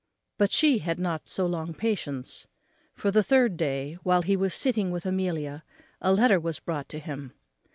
But she had not so long patience; for the third day, while he was sitting with Amelia, a letter was brought to him.